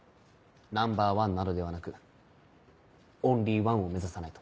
ナンバーワンなどではなくオンリーワンを目指さないと。